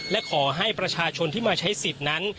และขอให้ประชาชนที่มาใช้สิทธิ์นั้น